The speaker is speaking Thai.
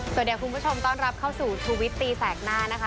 สวัสดีคุณผู้ชมต้อนรับเข้าสู่ชูวิตตีแสกหน้านะคะ